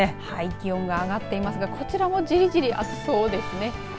気温が上がっていますがこちらもじりじり暑そうですね。